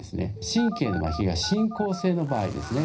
神経のまひが進行性の場合ですね